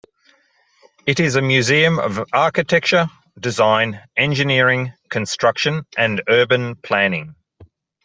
It is a museum of "architecture, design, engineering, construction, and urban planning".